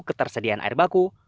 ketersediaan air baku